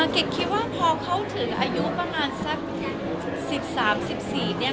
กิจคิดว่าพอเขาถึงอายุประมาณสัก๑๓๑๔เนี่ย